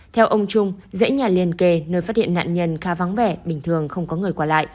theo ông trung dãy nhà liên kề nơi phát hiện nạn nhân khá vắng vẻ bình thường không có người qua lại